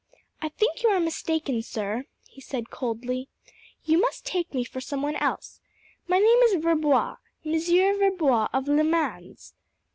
"I think you are mistaken, sir," he said coldly. "You must take me for some one else. My name is Verbois Monsieur Verbois of Le Mans."